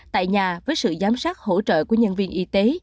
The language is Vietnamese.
tại nhà với sự giám sát hỗ trợ của nhân viên y tế